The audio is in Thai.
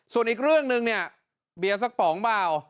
ส่วนอีกเรื่องนึงเนี่ยเบียร์สักป๋องเปล่า